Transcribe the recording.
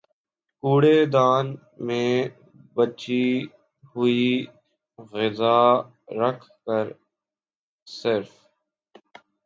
کوڑے دان میں بچی ہوئی غذا رکھ کر صرف